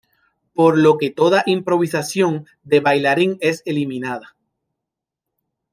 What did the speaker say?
Por lo que toda improvisación del bailarín es eliminada.